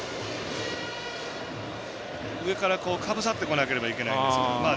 上から、かぶさってこなければいけないんですけど。